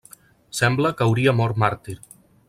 Sembla que hauria mort màrtir.